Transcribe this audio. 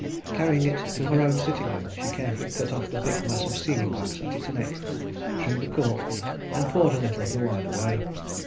Carrying it to her own sitting room, she carefully cut off the thick mass of sealing wax at its neck, drew the cork, and poured a little of the wine away.